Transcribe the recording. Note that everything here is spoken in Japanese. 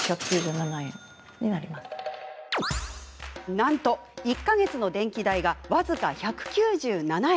なんと１か月の電気代が僅か１９７円。